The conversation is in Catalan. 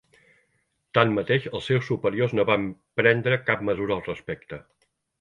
Tanmateix, els seus superiors no van prendre cap mesura al respecte.